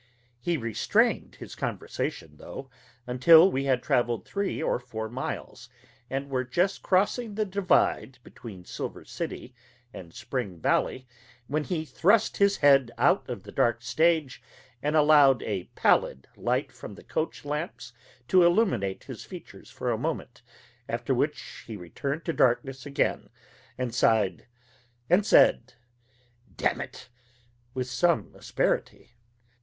He restrained his conversation, though, until we had traveled three or four miles, and were just crossing the divide between Silver City and Spring Valley, when he thrust his head out of the dark stage, and allowed a pallid light from the coach lamps to illuminate his features for a moment, after which he returned to darkness again, and sighed and said, "Damn it!" with some asperity.